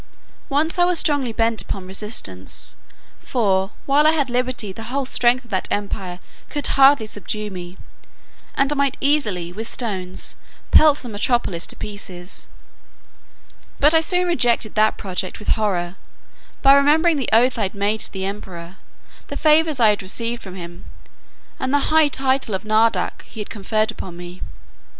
Once I was strongly bent upon resistance, for, while I had liberty the whole strength of that empire could hardly subdue me, and I might easily with stones pelt the metropolis to pieces; but I soon rejected that project with horror, by remembering the oath I had made to the emperor, the favours I received from him, and the high title of nardac he conferred upon me.